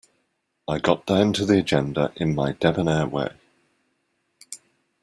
I got down to the agenda in my debonair way.